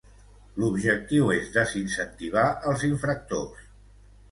L'objectiu és desincentivar els infractors